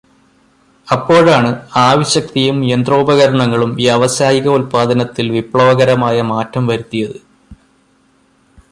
അപ്പോഴാണ് ആവിശക്തിയും യന്ത്രോപകരണങ്ങളും വ്യാവസായികോല്പാദനത്തിൽ വിപ്ലവകരമായ മാറ്റം വരുത്തിയതു്.